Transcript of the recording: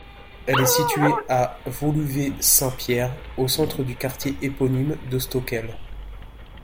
Elle est située à Woluwe-Saint-Pierre, au centre du quartier éponyme de Stockel.